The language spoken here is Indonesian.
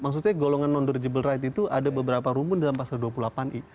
maksudnya golongan non durgible right itu ada beberapa rumpun dalam pasal dua puluh delapan i